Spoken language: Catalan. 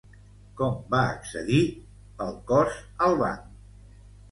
Com va accedir el cos al banc?